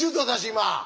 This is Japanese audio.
今。